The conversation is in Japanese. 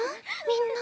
みんな。